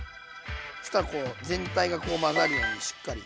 そしたらこう全体がこう混ざるようにしっかり。